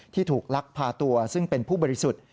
ที่ถูกลักพาตัวซึ่งเป็นผู้บริสุทธิ์